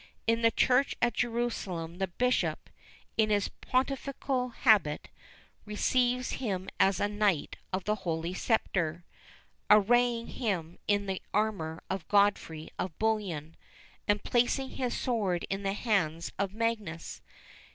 In the church at Jerusalem the bishop, in his pontifical habit, receives him as a knight of the Holy Sepulchre, arraying him in the armour of Godfrey of Bouillon, and placing his sword in the hands of Magius.